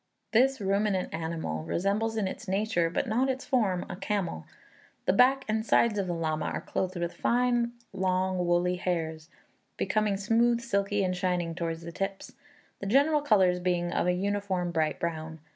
This ruminant animal resembles in its nature, but not in its form, a camel. The back and sides of the llama are clothed with fine long woolly hairs, becoming smooth, silky, and shining towards the tips, the general colours being of a uniform bright brown.